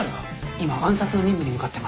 今暗殺の任務に向かってます。